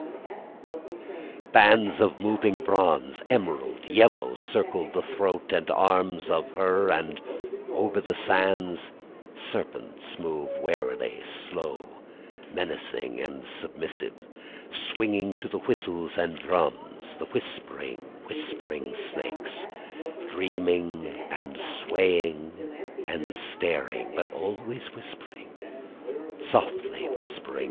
Bands of moving bronze, emerald, yellow, Circle the throat and arms of her, And over the sands serpents move warily Slow, menacing and submissive, Swinging to the whistles and drums, The whispering, whispering snakes, Dreaming and swaying and staring, But always whispering, softly whispering.